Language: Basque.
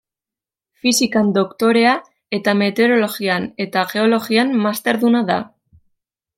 Fisikan doktorea eta Meteorologian eta Geologian masterduna da.